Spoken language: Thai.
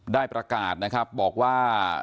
ได้ประกาศนะครับบอกว่า